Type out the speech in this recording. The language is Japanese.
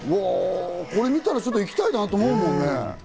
これ見たら、ちょっと行きたいなと思うもんね。